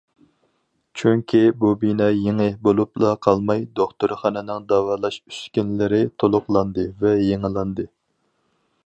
چۈنكى، بۇ بىنا يېڭى بولۇپلا قالماي، دوختۇرخانىنىڭ داۋالاش ئۈسكۈنىلىرى تولۇقلاندى ۋە يېڭىلاندى.